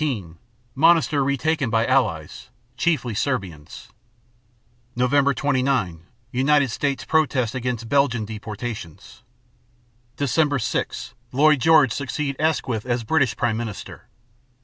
19 Monastir retaken by Allies (chiefly Serbians). Nov. 29 United States protests against Belgian deportations. Dec. 6 Lloyd George succeeds Asquith as British prime minister.